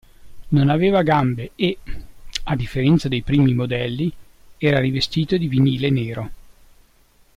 Non aveva gambe e, a differenza dei primi modelli, era rivestito di vinile nero.